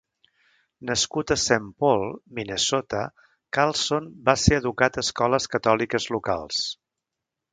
Nascut a Saint Paul, Minnesota, Carlson va ser educat a escoles catòliques locals.